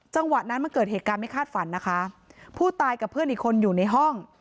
จังหวะนั้นมันเกิดเหตุการณ์ไม่คาดฝันนะคะผู้ตายกับเพื่อนอีกคนอยู่ในห้อง